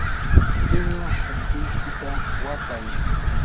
piña allquykita watay.